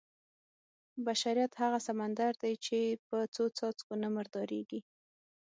بشریت هغه سمندر دی چې په څو څاڅکو نه مردارېږي.